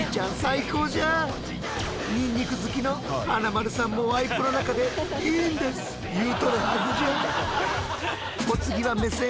ニンニク好きの華丸さんもワイプの中で「いいんですっ！」言うとるはずじゃ。